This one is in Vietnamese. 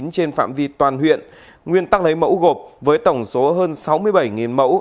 trên phạm vi toàn huyện nguyên tắc lấy mẫu gộp với tổng số hơn sáu mươi bảy mẫu